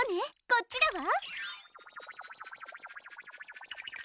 こっちだわ。